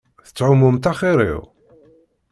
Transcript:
Tettɛummumt axiṛ-iw.